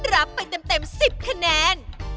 รับไปเต็ม๑๐คะแนน